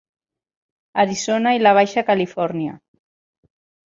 Arizona i la Baixa Califòrnia.